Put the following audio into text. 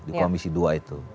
di komisi dua itu